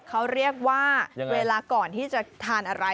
เขาเรียกว่าเวลาก่อนที่จะทานอะไร